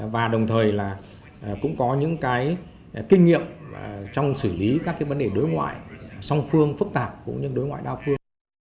và đồng thời là cũng có những cái kinh nghiệm trong xử lý các cái vấn đề đối ngoại song phương phức tạp cũng như đối ngoại đa phương